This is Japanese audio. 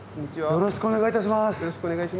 よろしくお願いします。